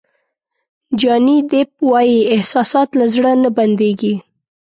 جاني دیپ وایي احساسات له زړه نه بندېږي.